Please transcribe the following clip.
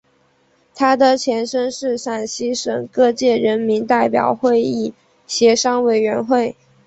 它的前身是陕西省各界人民代表会议协商委员会。